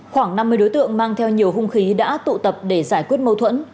khoảng năm mươi đối tượng mang theo nhiều hung khí đã tụ tập để giải quyết mâu thuẫn